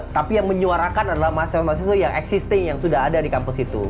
tapi yang menyuarakan adalah mahasiswa mahasiswa yang existing yang sudah ada di kampus itu